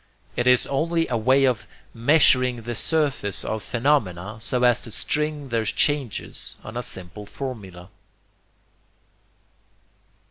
It is only a way of measuring the surface of phenomena so as to string their changes on a simple formula.